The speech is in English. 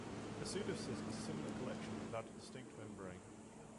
A pseudocyst is similar collection without a distinct membrane.